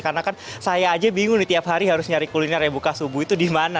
karena kan saya aja bingung nih tiap hari harus nyari kuliner yang buka subuh itu dimana